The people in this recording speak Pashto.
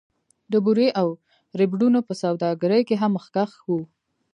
د بورې او ربړونو په سوداګرۍ کې هم مخکښ و